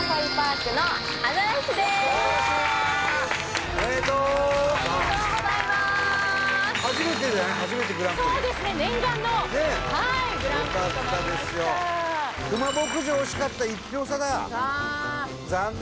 クマ牧場惜しかった１票差だ残念！